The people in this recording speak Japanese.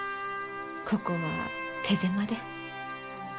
ここは手狭で。